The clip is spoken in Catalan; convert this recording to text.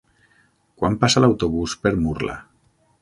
Quan passa l'autobús per Murla?